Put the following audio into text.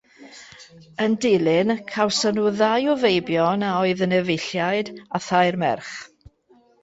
Yn dilyn cawson nhw ddau o feibion a oedd yn efeilliaid a thair merch.